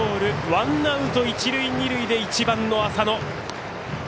ワンアウト、一塁二塁で１番の浅野。